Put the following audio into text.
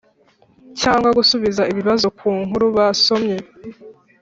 cyangwa gusubiza ibibazo ku nkuru basomye.